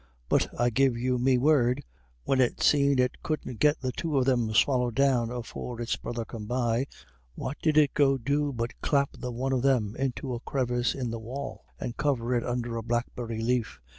But I give you me word, when it seen it couldn't get the two of them swallied down afore its brother come by, what did it go do but clap the one of them into a crevice in the wall, and cover it under a blackberry laif.